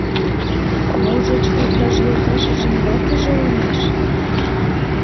Можыч, иктаж йолташыжын ватыже улмаш?